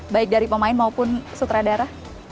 baik dari pemain maupun sutradara